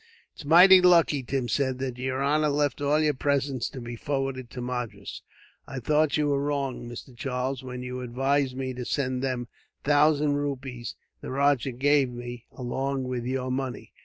"It's mighty lucky," Tim said, "that yer honor left all your presents to be forwarded to Madras. I thought you were wrong, Mr. Charles, when you advised me to send them thousand rupees the rajah gave me, along with your money.